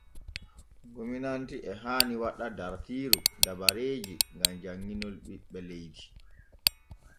Gomnati e haani waɗa dartiiru dabareeji gam janŋinol ɓiɓɓe leydi.